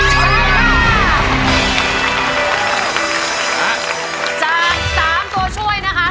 จากสามตัวช่วยนะคะ